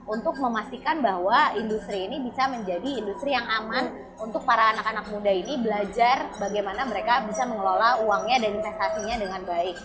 untuk memastikan bahwa industri ini bisa menjadi industri yang aman untuk para anak anak muda ini belajar bagaimana mereka bisa mengelola uangnya dan investasinya dengan baik